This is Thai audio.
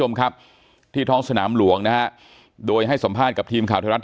คุณผู้ชมครับที่ท้องสนามหลวงนะฮะโดยให้สัมภาษณ์กับทีมข่าวไทยรัฐ